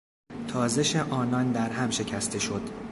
تازش آنان در هم شکسته شد.